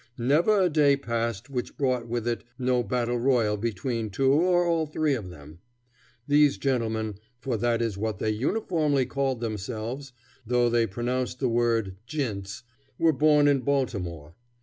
Never a day passed which brought with it no battle royal between two or all three of them. These gentlemen, for that is what they uniformly called themselves, though they pronounced the word "gints," were born in Baltimore.